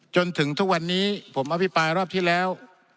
จนถึงทุกวันนี้ผมอภิปรายรอบที่แล้ว